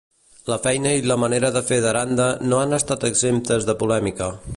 La feina i la manera de fer d'Aranda no han estat exemptes de polèmica.